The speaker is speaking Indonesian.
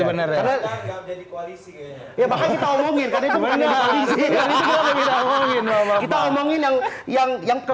yang untuk ke market